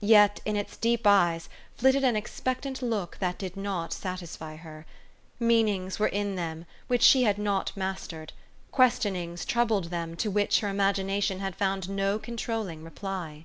Yet in its deep eyes flitted an expectant look that did not satisfy her ; meanings were in them which she had 262 THE STORY OF AVIS. not mastered ; questionings troubled them, to which her imagination had found no controlling reply.